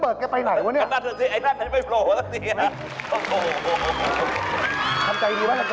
นี่จะเห็นหน้าร่านหนูจำได้หรือ